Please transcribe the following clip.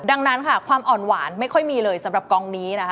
ดังนั้นค่ะความอ่อนหวานไม่ค่อยมีเลยสำหรับกองนี้นะคะ